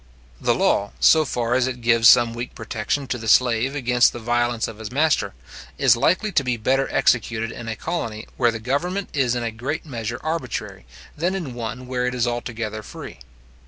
The law, so far as it gives some weak protection to the slave against the violence of his master, is likely to be better executed in a colony where the government is in a great measure arbitrary, than in one where it is altogether free.